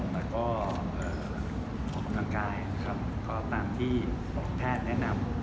และก็ออกกำลังกายตามที่แพทย์แนะนำ